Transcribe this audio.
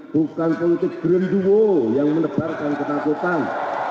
bukan konteks berliduwo yang menebarkan ketakutan